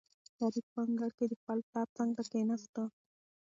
شریف په انګړ کې د خپل پلار څنګ ته کېناست.